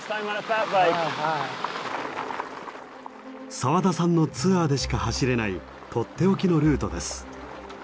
沢田さんのツアーでしか走れないとっておきのルートです。